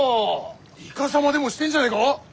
イカサマでもしてんじゃねえか！？